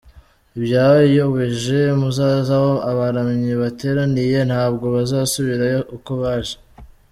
byayoboje, muzaze aho abaramyi bateraniye ntabwo bazasubirayo uko baje.